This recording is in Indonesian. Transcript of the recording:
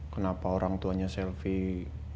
kenapa orang tuanya selvie